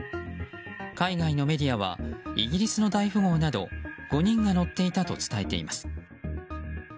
海外のメディアはイギリスの大富豪など５人が乗っていたと伝えています。